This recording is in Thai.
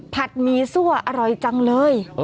หมี่ซั่วอร่อยจังเลย